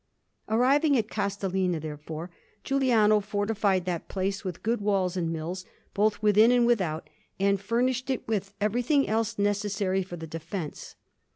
Arriving at Castellina, therefore, Giuliano fortified that place with good walls and mills, both within and without, and furnished it with everything else necessary for the defence.